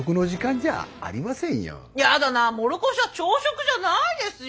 嫌だなもろこしは朝食じゃないですよ！